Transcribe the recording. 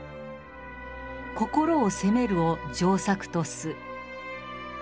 「心を攻めるを上策とす」。